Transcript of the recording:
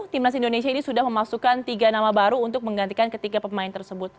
timnas indonesia ini sudah memasukkan tiga nama baru untuk menggantikan ketiga pemain tersebut